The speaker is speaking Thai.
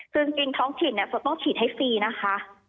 คือจริงท้องถิ่นจะต้องฉีดให้ฟรีนะคะ